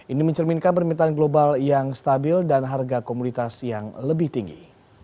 ini mencerminkan permintaan global yang stabil dan harga komunitas yang lebih tinggi